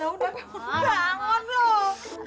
udah bangun bangun loh